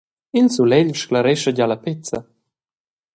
Il sulegl sclarescha gia la pezza.